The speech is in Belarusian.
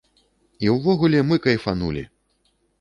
І ўвогуле, мы кайфанулі!